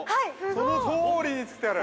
そのとおりに作ってある。